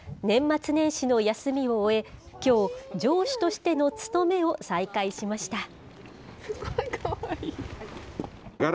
年末年始の休みを終え、きょう、城主としての務めを再開しました。